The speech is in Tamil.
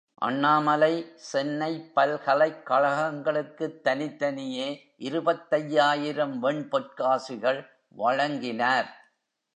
அண்ணாமலை, சென்னைப் பல்கலைக் கழகங்களுக்குத் தனித்தனியே இருபத்தையாயிரம் வெண்பொற்காசுகள் வழங்கினார்.